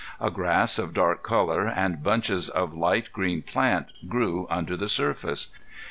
A grass of dark color and bunches of light green plant grew under the surface.